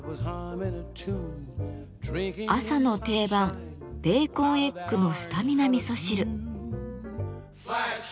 朝の定番ベーコンエッグのスタミナ味噌汁。